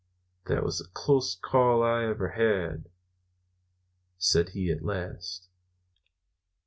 "That was the closest call I ever had," said he at last.